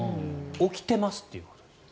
起きてますということです。